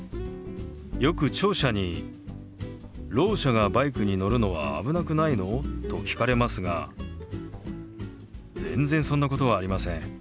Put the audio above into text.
よく聴者に「ろう者がバイクに乗るのは危なくないの？」と聞かれますが全然そんなことはありません。